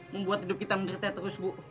membuat hidup kita menderita terus bu